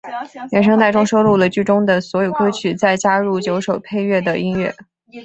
原声带中收录了剧中的所有歌曲再加入九首配乐的音乐。